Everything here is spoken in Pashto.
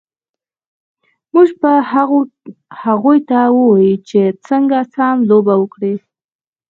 موږ به هغوی ته ووایو چې څنګه سم لوبه وکړي